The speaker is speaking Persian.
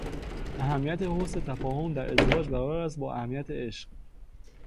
اهمیت حسن تفاهم در ازدواج برابر است با اهمیت عشق.